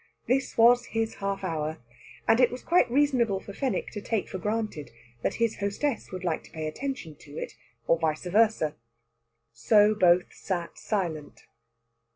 This was his half hour; and it was quite reasonable for Fenwick to take for granted that his hostess would like to pay attention to it, or vice versa. So both sat silent.